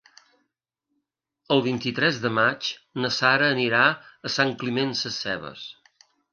El vint-i-tres de maig na Sara anirà a Sant Climent Sescebes.